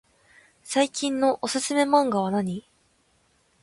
最近のおすすめマンガはなに？